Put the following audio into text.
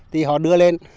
thì họ đưa lên